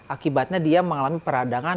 akibatnya dia mengalami peradangan